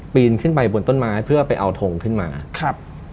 นขึ้นไปบนต้นไม้เพื่อไปเอาทงขึ้นมาครับ